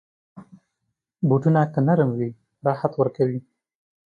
بوټونه که نرم وي، راحت ورکوي.